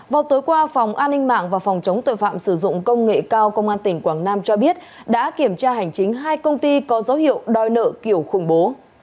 vào tối qua phòng an ninh mạng và phòng chống tội phạm sử dụng công nghệ cao công an tỉnh quảng nam cho biết đã kiểm tra hành chính hai công ty có dấu hiệu đòi nợ kiểu khủng bố